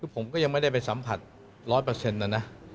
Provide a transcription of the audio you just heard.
ผมก็ยังไม่ได้ไปสัมผัส๑๐๐นะนะ